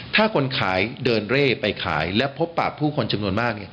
ถ้าคนขายเดินเร่ไปขายและพบปากผู้คนจำนวนมาก